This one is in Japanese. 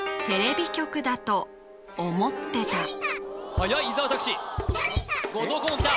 「テレビ局だと思ってた」